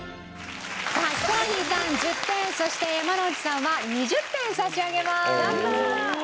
さあヒコロヒーさん１０点そして山之内さんは２０点差し上げます。